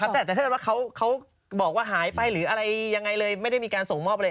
แต่ถ้าเกิดว่าเขาบอกว่าหายไปหรืออะไรยังไงเลยไม่ได้มีการส่งมอบอะไร